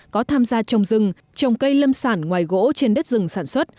có tham gia trồng rừng trồng cây lâm sản ngoài gỗ trên đất rừng sản xuất